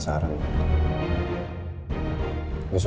di surat yang saya tulis di pulau